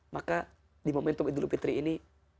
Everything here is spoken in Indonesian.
maka di momentum idul fitri ini